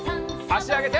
あしあげて。